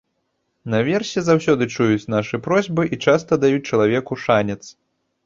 Наверсе заўсёды чуюць нашы просьбы і часта даюць чалавеку шанец.